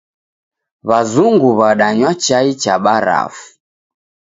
W'azungu w'adanywa chai cha barafu.